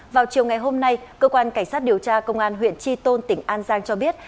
vào chiều ngày hôm nay cơ quan cảnh sát điều tra công an huyện tri tôn tỉnh an giang cho biết